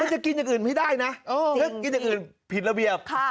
จะกินอย่างอื่นไม่ได้นะถ้ากินอย่างอื่นผิดระเบียบ